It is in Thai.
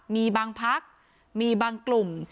มีบางพักมีบางกลุ่ม